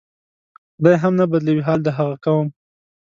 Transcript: خدای هم نه بدلوي حال د هغه قوم